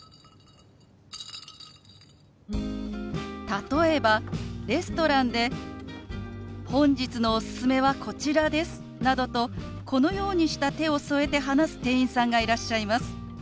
例えばレストランで「本日のおすすめはこちらです」などとこのようにした手を添えて話す店員さんがいらっしゃいます。